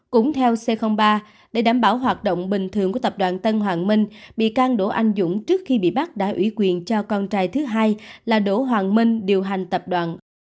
cũng theo c ba để đảm bảo hoạt động bình thường của tập đoàn tân hoàng minh bị can đỗ anh dũng trước khi bị bắt đã ủy quyền cho con trai thứ hai là đỗ hoàng minh điều hành tập đoàn